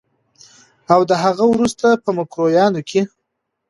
او د هغه وروسته په مکروریانو کې